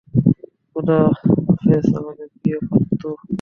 খোদা হাফেজ, আপনার প্রিয় ফাত্তু।